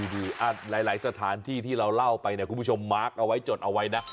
หลายสถานที่ที่เราเล่าไปเนี่ยคุณผู้ชมมาร์คเอาไว้จดเอาไว้นะ